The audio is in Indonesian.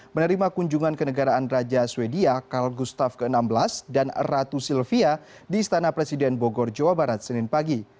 menerima kunjungan kenegaraan raja swedia karl gustav xvi dan ratu sylvia di istana presiden bogor jawa barat senin pagi